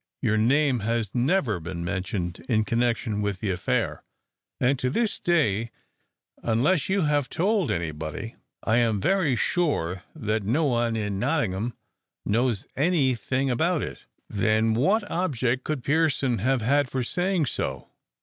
Your name has never been mentioned in connexion with the affair; and to this day, unless you have told any body, I am very sure that no one in Nottingham knows any thing about it." "Then what object could Pearson have had for saying so?"